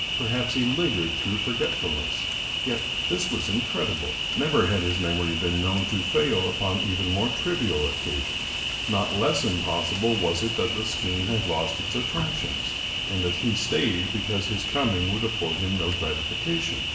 Perhaps he lingered through forgetfulness. Yet this was incredible. Never had his mem ory been known to fail upon even more trivial occasions. Not less impossible was it that the scheme had lost its at tractions, and that he stayed because his coming would afiford him no gratification.